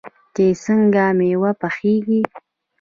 چې څنګه میوه پخیږي.